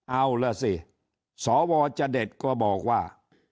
เอาล่ะสิสวจเด็ดก็บอกว่า